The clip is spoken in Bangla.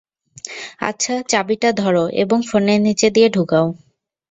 আচ্ছা, চাবিটা ধরো, এবং ফোনের নীচে দিয়ে ঢুকাও।